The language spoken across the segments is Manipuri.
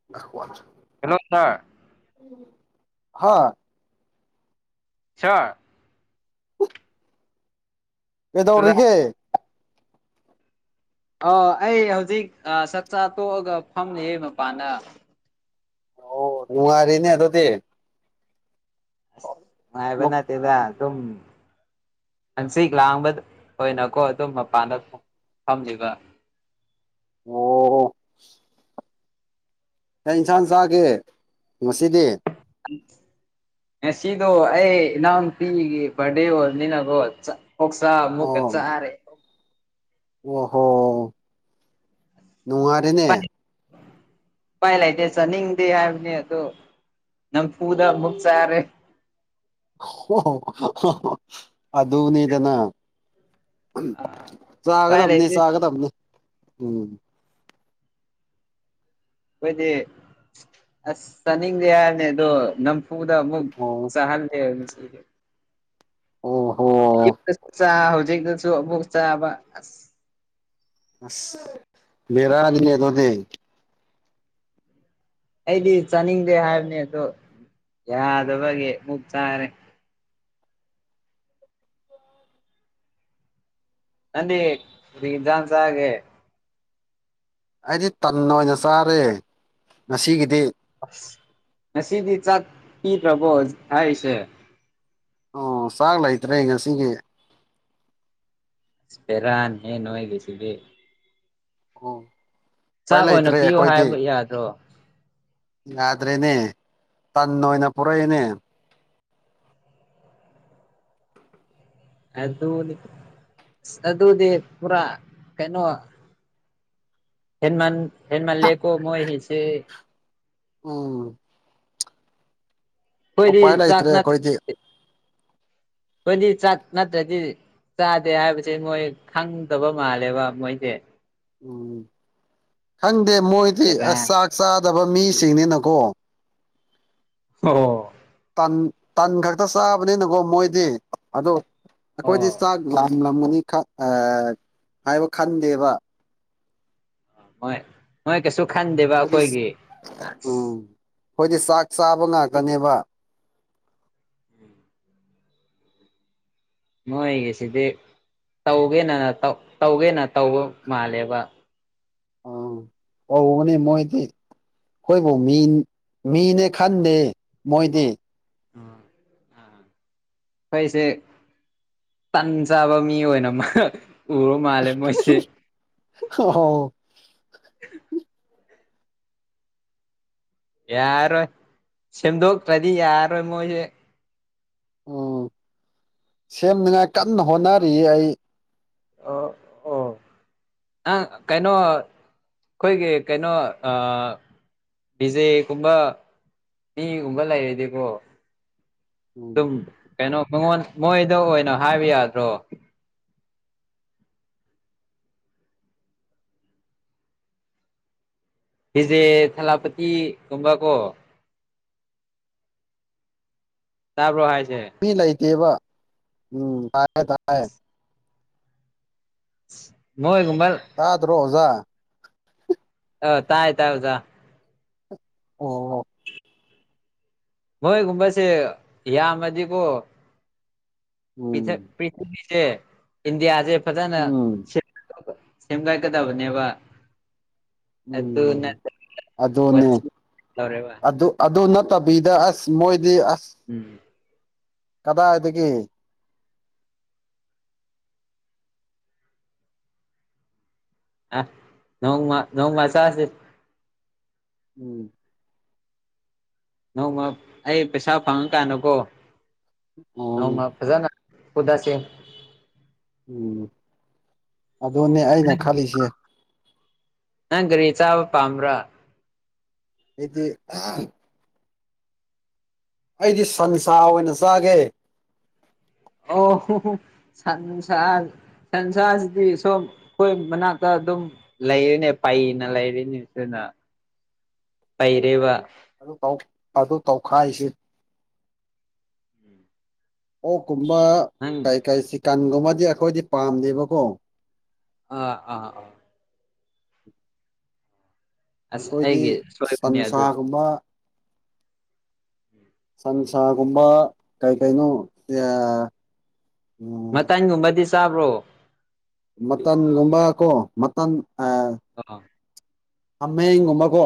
[unintelligible] ꯍꯜꯂꯣ ꯁꯥꯔ ꯍꯥꯥ ꯁꯥꯔ [inaudible] ꯁꯤꯗ ꯀꯩꯗꯧꯔꯤꯒꯦ ꯑ ꯑꯩ ꯍꯧꯖꯤꯛ ꯆꯥꯛꯆꯥ ꯇꯣꯛꯑꯒ ꯐꯝꯃꯤꯌꯦ ꯃꯄꯥꯥꯟꯅ ꯑꯣ ꯅꯨꯪꯉꯥꯏꯔꯤꯅꯦ ꯑꯗꯨꯗꯤ ꯑꯁ ꯉꯥꯏꯕ ꯅꯠꯇꯦꯗ ꯖꯨꯝ ꯑꯟꯁꯤꯤꯛ ꯂꯥꯡꯕ ꯑꯣꯏꯅꯀꯣ ꯑꯗꯨꯣ ꯃꯄꯥꯟꯗ ꯐꯝꯂꯤꯕ ꯑꯣ ꯑꯩ ꯏꯟꯁꯥꯡ ꯆꯥꯒꯦ ꯉꯁꯤꯗꯤ ꯎꯝ ꯅꯁꯤꯗꯣ ꯑꯩ ꯏꯅꯥꯝ ꯄꯤꯒ ꯄꯗꯦꯣꯅꯤꯅꯒꯣꯠ ꯑꯣꯁ ꯃꯨꯛ ꯀꯦꯠ ꯆꯔꯦ ꯑꯣ ꯍꯣ ꯅꯨꯡꯉꯥꯢ ꯄꯥꯏ ꯂꯩꯇꯦ ꯆꯥꯅꯤꯡꯗꯦ ꯍꯥꯏꯕꯅꯦ ꯑꯗꯣ ꯅꯝ ꯐꯨꯗ ꯃꯨꯛ ꯆꯔꯦ ꯑꯗꯨꯅꯤꯗꯅ ꯎꯄꯥꯏ ꯆꯥꯒꯗꯕꯅꯤ ꯂꯩꯇꯦ ꯆꯥꯒꯗꯕꯅꯤ ꯎꯝ ꯑꯩꯈꯣꯏꯗꯤ ꯑꯁ ꯆꯅꯤꯡꯗꯦ ꯍꯥꯏꯕꯅꯤ ꯑꯗꯨ ꯅꯝ ꯐꯨꯗ ꯑꯃꯨꯛ ꯑꯣ ꯆꯥꯍꯜꯂꯦ ꯉꯁꯤꯗꯤ ꯑꯣꯍꯣ ꯏꯞꯇꯁꯨ ꯆꯥꯕ ꯍꯧꯖꯤꯛꯇꯁꯨ ꯑꯃꯨꯛ ꯆꯥꯕ ꯑꯁ ꯑꯁ ꯕꯦꯔꯅꯤ ꯑꯗꯨꯗꯤ ꯑꯩꯗꯤ ꯆꯥꯅꯤꯡꯗꯦ ꯍꯥꯏꯕꯅꯤ ꯑꯗꯣ ꯌꯥꯗꯕꯒꯤ ꯑꯣꯛ ꯆꯥꯔꯦ ꯅꯪꯗꯤ ꯀꯔꯤ ꯏꯟꯖꯥꯡ ꯆꯥꯒꯦ ꯑꯩꯗꯤ ꯇꯟꯅ ꯑꯣꯏꯅ ꯆꯥꯔꯦ ꯉꯁꯤꯒꯤꯗꯤ ꯑꯁ ꯉꯁꯤꯗꯤ ꯆꯥꯛ ꯄꯤꯗꯔꯕꯣ ꯍꯥꯏꯁꯦ ꯑꯣ ꯆꯥꯛ ꯂꯩꯇ꯭ꯔꯦ ꯉꯁꯤꯒꯤ ꯏꯁ ꯄꯦꯔꯥ ꯅꯦ ꯅꯣꯏꯒꯤꯖꯤꯗꯤ ꯑꯣ ꯎꯄꯥꯏ ꯆꯥꯛ ꯑꯣꯏꯅ ꯂꯩꯇ꯭ꯔꯦ ꯄꯤꯌꯣ ꯑꯩꯈꯣꯏꯗꯤ ꯍꯥꯏꯕ ꯌꯥꯗ꯭ꯔꯣ ꯌꯥꯗ꯭ꯔꯦꯅꯦ ꯇꯟ ꯑꯣꯏꯅ ꯄꯨꯔꯛꯑꯦꯅꯦ ꯑꯗꯨꯅꯤ ꯑꯁ ꯑꯗꯨꯗꯤ ꯄꯨꯔꯥ ꯀꯩꯅꯣ ꯍꯦꯟꯃꯜ ꯍꯦꯟꯃꯜ ꯂꯦꯀꯣ ꯃꯣꯏ ꯒꯤꯁꯦ ꯎꯝ ꯎꯄꯥꯏ ꯑꯩꯈꯣꯏꯗꯤ ꯆꯥꯛ ꯂꯩꯇꯔꯦ ꯑꯈꯣꯏꯗꯤ ꯑꯈꯣꯏꯗꯤ ꯆꯥꯛ ꯅꯠꯇ꯭ꯔꯗꯤ ꯆꯥꯗꯦ ꯍꯥꯏꯕꯁꯦ ꯃꯣꯏ ꯈꯪꯗꯕ ꯃꯥꯜꯂꯦꯕ ꯃꯣꯏꯁꯦ ꯎꯝ ꯈꯪꯗꯦ ꯃꯣꯏꯗꯤ ꯑꯁ ꯕꯦꯔꯥꯅꯤ ꯆꯥꯛ ꯆꯥꯗꯕ ꯃꯤꯁꯤꯡꯅꯤꯅꯀꯣ ꯑꯣ ꯇꯟ ꯇꯟ ꯈꯛꯇ ꯆꯥꯕꯅꯤꯅꯀꯣ ꯃꯣꯏꯗꯤ ꯑꯗꯣ ꯑꯩꯈꯣꯏꯗꯤ ꯑꯣ ꯆꯥꯛ ꯂꯥꯝ ꯂꯥꯝꯃꯅꯤ ꯈꯛ ꯍꯥꯥ ꯍꯥꯏꯕ ꯈꯟꯗꯦꯕ ꯍꯣꯏ ꯅꯣꯏ ꯀꯩꯁꯨ ꯈꯟꯗꯦꯕ ꯑꯩꯈꯣꯏꯗꯤ ꯑꯩꯈꯣꯏꯒꯤ ꯑꯁ ꯎꯝ ꯑꯩꯈꯣꯏꯗꯤ ꯆꯥꯛ ꯆꯥꯕ ꯉꯥꯛꯇꯅꯦꯕ ꯃꯣꯏꯒꯤꯁꯤꯗꯤ ꯇꯧꯒꯦꯅ ꯇꯧꯒꯦꯅ ꯇꯧꯕ ꯃꯥꯜꯂꯦꯕ ꯑ ꯑꯧꯕꯅꯦ ꯃꯣꯏꯗꯤ ꯑꯩꯈꯣꯏꯕꯨ ꯃꯤ ꯃꯤꯅꯦ ꯈꯟꯗꯦ ꯃꯣꯏꯗꯤ ꯑ ꯑ ꯑꯩꯁꯦ ꯇꯟ ꯆꯥꯕ ꯃꯤ ꯑꯣꯏꯅ ꯎꯔ ꯃꯥꯜꯂꯦ ꯃꯣꯏꯁꯦ ꯍ ꯑꯣ ꯌꯥꯔꯣꯏ ꯁꯦꯝꯗꯣꯛꯇ꯭ꯔꯗꯤ ꯌꯥꯔꯣꯏ ꯃꯣꯏꯁꯦ ꯎꯝ ꯁꯦꯝꯅꯤꯉꯥꯏ ꯀꯟꯅ ꯍꯣꯠꯅꯔꯤ ꯑꯩ ꯑ ꯑꯣ ꯅꯪ ꯀꯩꯅꯣ ꯑꯩꯈꯣꯏꯒꯤ ꯀꯩꯅꯣ ꯕꯤꯖꯦꯒꯨꯝꯕ ꯃꯤꯒꯨꯝꯕ ꯂꯩꯔꯗꯤꯀꯣ ꯎꯝ ꯑꯗꯨꯝ ꯀꯩꯅꯣ ꯃꯉꯣꯟ ꯃꯣꯏꯗ ꯑꯣꯏꯅ ꯍꯥꯏꯕ ꯌꯥꯗ꯭ꯔꯣ ꯐꯤꯖꯦ ꯊꯂꯥꯄꯇꯤꯒꯨꯝꯕ ꯀꯣ ꯇꯥꯕ꯭ꯔꯣ ꯍꯥꯏꯁꯦ ꯃꯤ ꯂꯩꯇꯦꯕ ꯎꯝ ꯇꯥꯏꯌꯦ ꯇꯥꯏꯌꯦ ꯃꯣꯏ ꯒꯨꯝꯕꯜ ꯇꯥꯗ꯭ꯔꯣ ꯑꯣꯖꯥ ꯑ ꯇꯥꯏ ꯇꯥꯏ ꯑꯣꯖꯥ ꯑꯣ ꯑꯣ ꯃꯣꯏꯒꯨꯝꯕꯁꯦ ꯌꯥꯝꯃꯗꯤꯀꯣ ꯎꯝ ꯎꯝ [unintelligible] ꯁꯦꯝꯒꯠꯀꯗꯕꯅꯦꯕꯥ ꯎꯝ ꯑꯗꯨꯅꯦ [unintelligible] ꯑꯗꯨ ꯑꯗꯨ ꯅꯠꯇꯕꯤꯗ ꯑꯁ ꯃꯣꯏꯗꯤ ꯑꯁ ꯎꯝ ꯀꯗꯥꯏꯗꯒꯤ ꯑ ꯅꯣꯡꯃ ꯅꯣꯡꯃ ꯆꯥꯁꯦ ꯎꯝ ꯅꯣꯡꯃ ꯑꯩ ꯄꯩꯁꯥ ꯐꯪꯀꯥꯟꯗꯀꯣ ꯅꯣꯡꯃ ꯎꯝ ꯐꯖꯅ ꯎꯗꯁꯦ ꯎꯝ ꯑꯗꯨꯅꯦ ꯑꯩꯅ ꯈꯜꯂꯤꯁꯦ ꯅꯪ ꯒꯥꯔꯤ ꯆꯥꯕ ꯄꯥꯝꯕ꯭ꯔꯥ ꯑꯩꯗꯤ ꯑꯥ ꯑꯩꯗꯤ ꯁꯟꯁꯥ ꯑꯣꯏꯅ ꯆꯥꯒꯦ ꯑꯣꯍꯨꯍꯨ ꯁꯟ [unintelligible] [unintelligible] ꯁꯥꯖꯤꯗꯤ ꯁꯣꯝ [unintelligible] ꯃꯅꯥꯛꯇ ꯑꯗꯨꯝ ꯂꯩꯔꯤꯅꯦ ꯄꯩꯅ ꯂꯩꯔꯤꯅꯦ ꯁꯤꯅ ꯄꯩꯔꯦꯕ ꯗꯨ ꯇꯧ [unintelligible] ꯑꯗꯨ ꯇꯧꯈꯥꯏꯁꯤ ꯑꯣꯛꯀꯨꯝꯕ ꯅꯪ ꯀꯩ ꯀꯩ ꯆꯤꯛꯀꯟꯒꯨꯝꯕꯗꯤ ꯑꯩꯈꯣꯏꯗꯤ ꯄꯥꯝꯗꯦꯕꯀꯣ ꯑ ꯑꯥꯍ ꯑ ꯑꯁ ꯑꯩꯈꯣꯏꯗꯤ ꯑꯩꯒꯤ ꯁꯣꯏꯕꯅꯦ ꯑꯗꯨꯗꯤ ꯁꯟꯁꯥꯒꯨꯝꯕ ꯁꯟꯁꯥꯒꯨꯝꯕ ꯀꯩ ꯀꯩꯅꯣ [unintelligible] ꯃꯇꯟꯒꯨꯝꯕꯗꯤ ꯆꯥꯕ꯭ꯔꯣ ꯃꯇꯝꯒꯨꯝꯕ ꯀꯣ ꯃꯇꯝ ꯑ ꯑ ꯑ ꯑꯃꯦꯡꯒꯨꯝꯕꯀꯣ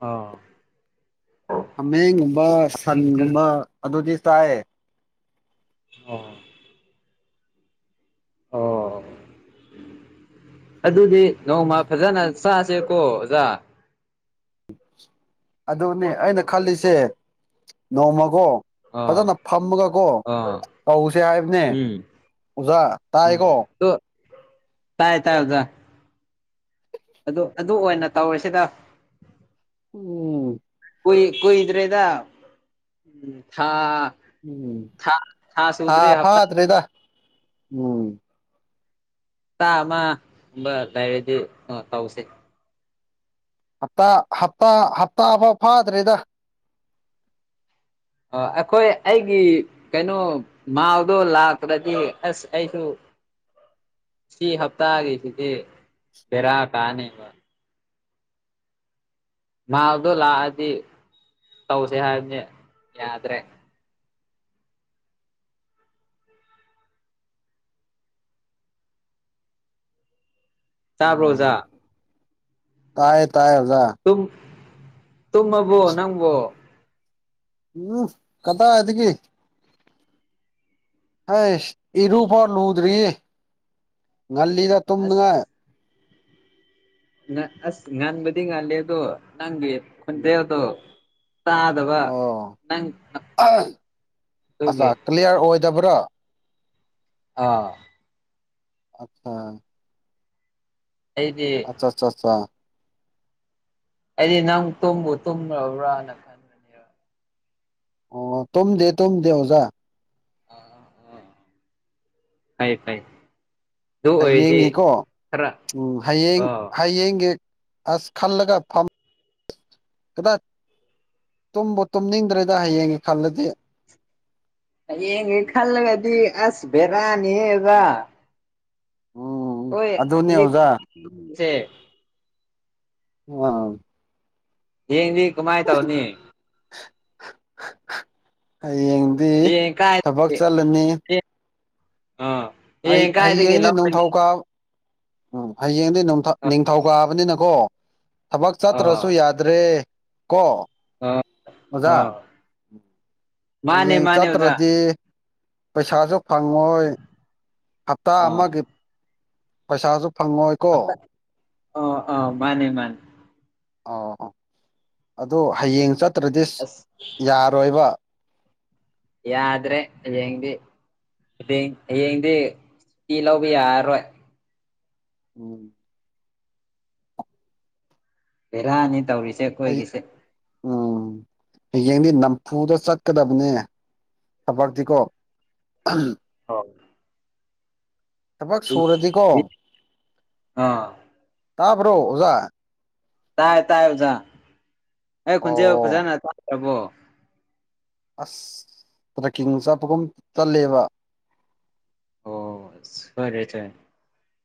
ꯑ ꯑꯃꯦꯡꯒꯨꯝꯕ ꯁꯟꯒꯨꯝꯕ ꯑꯗꯨꯗꯤ ꯆꯥꯏꯌꯦ ꯑꯣ ꯑꯣ ꯑꯗꯨꯗꯤ ꯅꯣꯡꯃ ꯐꯖꯅ ꯆꯥꯁꯦꯀꯣ ꯑꯣꯖꯥ ꯑꯗꯨꯅꯦ ꯑꯩꯅ ꯈꯜꯂꯤꯁꯦ ꯅꯣꯡꯃꯒꯣ ꯑꯥ ꯐꯖꯅ ꯐꯝꯃꯒꯒꯣ ꯑꯥ ꯇꯧꯁꯦ ꯍꯥꯏꯕꯅꯦ ꯎꯝ ꯎꯖꯥ ꯎꯝ ꯇꯥꯏꯀꯣ ꯑꯗꯣ ꯇꯥꯏ ꯇꯥꯏ [unintelligible] ꯖꯥ ꯑꯗꯨ ꯑꯗꯨ ꯑꯣꯏꯅ ꯇꯧꯔꯤꯁꯦꯗ ꯎꯝ ꯀꯨꯏ ꯀꯨꯏ ꯗ꯭ꯔꯦꯗ ꯊꯥ ꯎꯝ ꯊꯥ ꯊꯥ ꯐꯥ ꯁꯨꯗ꯭ꯔꯤ ꯍꯞꯇꯥ ꯐꯥꯗ꯭ꯔꯤꯗ ꯎꯝ ꯇꯥ ꯑꯃꯒꯨꯝꯕ ꯂꯩꯔꯗꯤ ꯑ ꯇꯧꯁꯦ ꯍꯞꯇꯥ ꯍꯞꯇꯥ ꯍꯞꯇꯥꯐꯥꯎ ꯐꯥꯗ꯭ꯔꯦꯗ ꯑ ꯑꯈꯣꯏ ꯑꯩꯒꯤ ꯀꯩꯅꯣ ꯃꯥꯜꯗꯣ ꯂꯥꯛꯇꯕꯗꯤ ꯑꯁ ꯑꯩꯁꯨ ꯁꯤ ꯍꯞꯇꯥꯒꯤꯁꯤꯗꯤ ꯕꯦꯔꯥ ꯀꯥꯅꯤ ꯃꯥꯜꯗꯣ ꯂꯥꯑꯗꯤ ꯇꯧꯁꯦ ꯍꯥꯏꯕꯅꯦ ꯌꯥꯗ꯭ꯔꯦ ꯇꯥꯕꯥꯔꯣ ꯑꯣꯖꯥ ꯑꯣ ꯇꯥꯏꯌꯦ ꯇꯥꯏꯌꯦ ꯑꯣꯖꯥ ꯇꯨꯝ ꯇꯨꯃꯥꯕꯣ ꯅꯪꯕꯨ ꯎꯝ ꯀꯗꯥꯏꯗꯥꯒꯤ ꯏꯔꯨꯕꯥꯎ ꯂꯨꯗꯥꯔꯤ ꯉꯜꯂꯤꯗ ꯑꯁ ꯇꯨꯝꯅꯤꯉꯥꯏ ꯑꯁ ꯉꯟꯕꯥꯗꯤ ꯉꯜꯂꯦ ꯑꯗꯣ ꯅꯪꯒꯤ ꯎꯝ ꯈꯣꯟꯖꯦꯜꯗꯣ ꯑꯣ [unintelligible] ꯀꯂꯤꯌꯥꯔ ꯑꯣꯏ ꯗꯥꯕ꯭ꯔꯣ ꯑꯥꯎ ꯑꯆꯥ ꯑꯩꯗꯤ ꯆ ꯆ ꯆꯥ ꯑꯩꯗꯤ ꯅꯪ ꯇꯨꯝꯕꯨ ꯇꯨꯝꯒ꯭ꯔꯕ꯭ꯔꯥꯅ ꯑꯣ ꯇꯨꯝꯗꯦ ꯇꯨꯝꯗꯦ ꯑꯣꯖꯥ ꯐꯩ ꯐꯩ ꯑꯗꯨ ꯑꯣꯏꯔꯗꯤ ꯍꯌꯦꯡꯒꯤꯀꯣ ꯈꯔ ꯎꯝ ꯍꯌꯦꯡ ꯑꯥ ꯍꯌꯦꯡꯒꯤ ꯑꯁ ꯈꯜꯂꯒꯥ ꯐꯝ ꯀꯗꯠ ꯇꯨꯝꯕꯨ ꯇꯨꯝꯅꯤꯡꯗ꯭ꯔꯦꯗ ꯍꯌꯦꯡꯒꯤ ꯈꯜꯂꯗꯤ ꯍꯌꯦꯡꯒꯤ ꯈꯜꯂꯒꯗꯤ ꯑꯁ ꯕꯦꯔꯥꯅꯤꯍꯦ ꯑꯣꯖꯥ ꯎꯝ ꯑꯣꯏ ꯑꯗꯨꯅꯦ ꯑꯦꯗꯤꯛ ꯑꯣꯖꯥ ꯌꯨꯝꯖꯦ ꯎꯑꯥ ꯍꯩꯌꯦꯡꯗꯤ ꯀꯃꯥꯏ ꯇꯧꯅꯤ ꯍꯌꯦꯡꯗꯤ ꯍꯌꯦꯡ ꯀꯥꯏ ꯊꯕꯛ ꯆꯠꯂꯅꯤ ꯑꯥ ꯑꯩ ꯍꯌꯦꯡ ꯀꯥꯏꯗꯒꯤ ꯍꯌꯦꯡꯗꯤ ꯂꯧꯔꯅꯤ ꯅꯤꯡꯊꯧ ꯀꯥꯞ ꯎꯝ ꯍꯌꯦꯡꯗꯤ ꯅꯣꯡꯊ ꯑ ꯅꯤꯡꯊꯧꯀꯥꯕꯅꯤꯅꯀꯣ ꯊꯕꯛ ꯆꯠꯇ꯭ꯔꯁꯨ ꯑ ꯌꯥ ꯇ꯭ꯔꯦ ꯀꯣ ꯑ ꯑꯣꯖꯥ ꯃꯥꯅꯦ ꯍꯌꯦꯡ ꯃꯥꯅꯦ ꯑꯣꯖꯥ ꯆꯠꯇ꯭ꯔꯗꯤ ꯄꯩꯁꯥꯁꯨ ꯐꯪꯉꯣꯏ ꯍꯞꯇꯥ ꯑꯥ ꯑꯃꯒꯤ ꯄꯩꯁꯥꯁꯨ ꯐꯪꯉꯣꯏ ꯑꯝꯇ ꯑ ꯑ ꯃꯥꯅꯦ ꯃꯥꯅꯦ ꯑ ꯑꯥ ꯑꯗꯣ ꯍꯌꯦꯡ ꯆꯠꯇ꯭ꯔꯗꯤꯁ ꯑꯁ ꯌꯥꯔꯣꯏꯕ ꯌꯥꯗ꯭ꯔꯦ ꯍꯌꯦꯡꯗꯤ ꯍꯌꯦꯡꯗꯤ ꯁꯨꯇꯤ ꯂꯧꯕ ꯌꯥꯔꯔꯣꯏ ꯎꯝ ꯕꯦꯔꯥꯅꯤ ꯇꯧꯔꯤꯁꯦ ꯑꯩ ꯑꯩꯈꯣꯏꯒꯤꯁꯦ ꯎꯝ ꯍꯌꯦꯡꯗꯤ ꯅꯝꯐꯨꯗꯥ ꯆꯠꯀꯗꯕꯅꯦ ꯊꯕꯛꯇꯤ ꯀꯣ ꯍꯣꯏ ꯊꯕꯛ ꯁꯨꯔꯗꯤꯀꯣ ꯑꯥ ꯇꯥꯕ꯭ꯔꯣ ꯑꯣꯖꯥ ꯇꯥꯏ ꯇꯥꯏ ꯑꯣꯖꯥ ꯑꯩ ꯈꯣꯟꯖꯦꯜ ꯑꯣ ꯐꯖꯅ ꯇꯥꯗ꯭ꯔꯕꯣ ꯑꯁ ꯇ꯭ꯔꯦꯛꯀꯤꯡ ꯆꯠꯄꯒꯨꯝ ꯆꯠꯂꯦꯕ ꯑꯣ ꯁꯣꯏꯔꯦ ꯊꯦ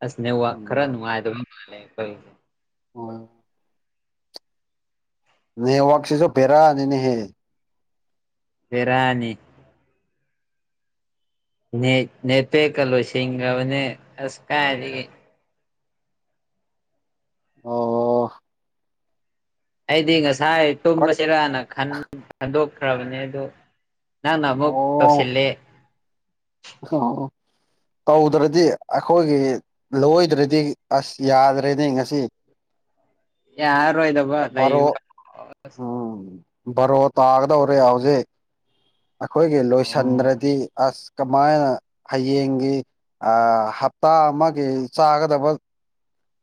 ꯑꯁ ꯅꯦꯋꯥꯛ ꯈꯔ ꯎꯝ ꯅꯨꯡꯉꯥꯏꯇꯥꯕꯥ ꯃꯥꯂꯦ ꯈꯣꯏꯒꯤ ꯍꯣꯏ ꯅꯦꯋꯥꯛꯁꯤꯁꯨ ꯕꯦꯔꯥꯅꯤꯅꯦꯍꯦ ꯕꯦꯔꯥꯅꯤ ꯅꯦꯠ ꯅꯦꯠꯄꯦꯛꯀꯥ ꯂꯣꯏꯁꯤꯟꯒ꯭ꯔꯕꯅꯦ ꯑꯁ ꯀꯥꯏꯗꯒꯤ ꯑꯣ ꯑꯩꯗꯤ ꯉꯁꯥꯏ ꯐꯔꯛ ꯇꯨꯝꯃꯥꯁꯤꯔꯅ ꯈꯟ ꯈꯟꯗꯣꯛꯈ꯭ꯔꯕꯅꯦ ꯑꯗꯣ ꯅꯪꯅ ꯑꯃꯨꯛ ꯑꯣ ꯇꯧꯁꯤꯂꯦ [unintelligible] ꯇꯧꯗ꯭ꯔꯗꯤ ꯑꯩꯈꯣꯏꯒꯤ ꯂꯣꯏꯗ꯭ꯔꯗꯤ ꯑꯁ ꯌꯥꯗꯔꯦꯅꯦ ꯉꯁꯤ ꯌꯥꯔꯔꯣꯏꯗꯕ ꯕꯥꯔꯣ ꯂꯩꯕ ꯎꯝ ꯕꯥꯔꯣ ꯇꯥꯒꯗꯧꯔꯦ ꯍꯧꯖꯤꯛ ꯑꯈꯣꯏꯒꯤ ꯑꯣ ꯂꯣꯏꯁꯟꯗ꯭ꯔꯗꯤ ꯑꯁ ꯀꯃꯥꯏꯅ ꯍꯌꯦꯡꯒꯤ ꯑꯥ ꯍꯞꯇꯥ ꯑꯃꯒꯤ ꯆꯥꯒꯗꯕ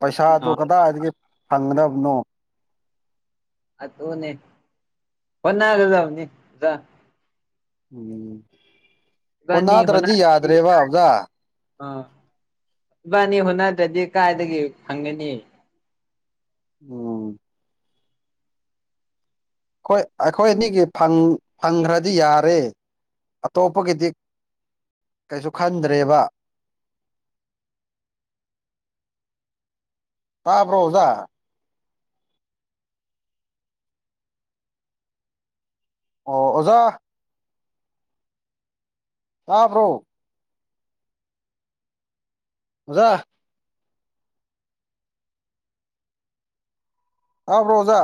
ꯄꯩꯁꯥꯗꯨ ꯀꯗꯥꯏꯗꯒꯤ ꯐꯪꯒꯗꯕꯅꯣ ꯑꯗꯨꯅꯦ ꯍꯣꯠꯅꯒꯗꯝꯅꯤ ꯖꯥ ꯎꯝ ꯏꯕꯥꯅꯤ ꯍꯣꯠꯅꯗ꯭ꯔꯗꯤ ꯍꯣꯠꯅꯔꯗꯤ ꯌꯥꯗ꯭ꯔꯦꯕ ꯑꯣꯖꯥ ꯑꯥ ꯏꯕꯥꯅꯤ ꯍꯣꯠꯅꯗꯗꯤ ꯀꯥꯏꯗꯒꯤ ꯐꯪꯒꯅꯤ ꯎꯝ ꯑꯈꯣꯏ ꯑꯈꯣꯏ ꯑꯅꯤꯒꯤ ꯐꯪ ꯐꯪꯒ꯭ꯔꯗꯤ ꯌꯥꯔꯦ ꯑꯇꯣꯞꯄꯒꯤꯗꯤ ꯀꯩꯁꯨ ꯈꯟꯗ꯭ꯔꯦꯕ [inaudible] ꯇꯥꯕ꯭ꯔꯣ ꯑꯣꯖꯥ ꯑꯣ ꯑꯣꯖꯥ ꯇꯥꯕ꯭ꯔꯣ ꯑꯣꯖꯥ ꯇꯥꯕꯔꯣ ꯑꯣꯖꯥ